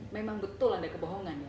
memang betul ada kebohongan